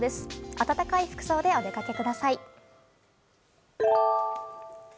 暖かい服装でお出かけください。